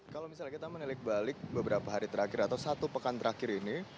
kalau misalnya kita menilik balik beberapa hari terakhir atau satu pekan terakhir ini